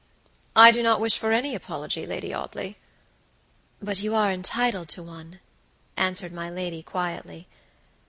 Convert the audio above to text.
"I do not wish for any apology, Lady Audley." "But you are entitled to one," answered my lady, quietly.